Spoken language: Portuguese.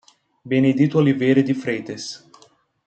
Benedito Oliveira de Freitas